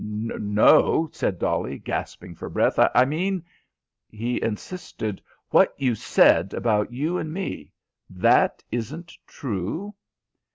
"No," said Dolly, gasping for breath. "I mean " he insisted, "what you said about you and me. That isn't true?"